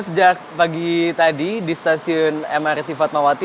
sejak pagi tadi di stasiun mrt fatmawati